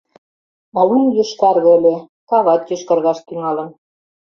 А лум йошкарге ыле, кават йошкаргаш тӱҥалын.